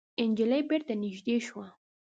نجلۍ بېرته نږدې شوه.